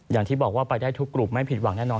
อย่างที่บอกว่าไปได้ทุกกลุ่มไม่ผิดหวังแน่นอน